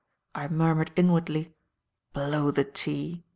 I murmured inwardly, "Blow the tea!"